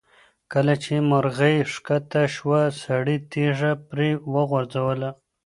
کله چې مرغۍ ښکته شوه، سړي تیږه پرې وغورځوله.